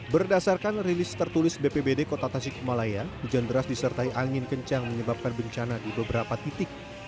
berdasarkan rilis tertulis bpbd kota tasikmalaya hujan deras disertai angin kencang menyebabkan bencana di beberapa titik